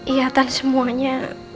iya tante semuanya